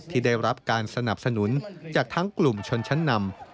ที่ได้รับการสนับสนุนจากทั้งกลุ่มชนชั้นนำ